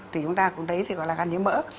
thì chúng ta cũng thấy gọi là gan nhiễm mỡ